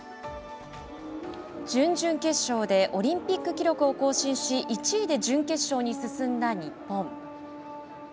準々決勝でオリンピック記録を更新し１位で準決勝に進んだ日本。